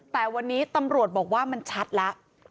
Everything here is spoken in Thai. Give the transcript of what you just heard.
แต่วันนี้ตำรวจบอกว่ามันชัดแล้ว